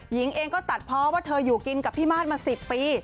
หญิงเองก็ตัดเพราะว่าเธออยู่กินกับพี่มาสมา๑๐ปี